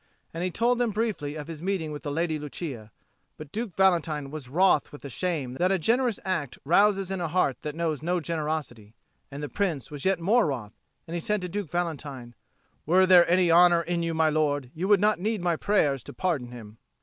And he told them briefly of his meeting with the Lady Lucia. But Duke Valentine was wroth with the shame that a generous act rouses in a heart that knows no generosity; and the Prince was yet more wroth, and he said to Duke Valentine, "Were there any honour in you, my lord, you would not need my prayers to pardon him."